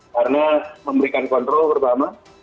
karena memberikan kontrol pertama